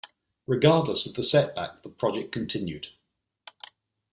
Regardless of the setback, the project continued.